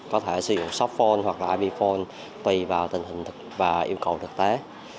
có thể sử dụng softphone hoặc là ip phone tùy vào tình hình và yêu cầu thực tế